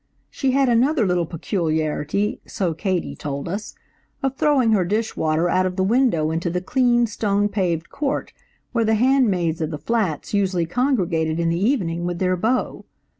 She had another little peculiarity–so Katie told us–of throwing her dishwater out of the window into the clean, stone paved court where the handmaids of the flats usually congregated in the evening with their beaux.